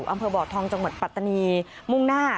อำเภอบ่อทองจังหวัดปัตตานีมุ่งหน้า